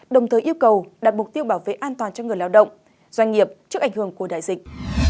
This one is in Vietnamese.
đồng thời yêu cầu đặt mục tiêu bảo vệ an toàn cho người lao động doanh nghiệp trước ảnh hưởng của đại dịch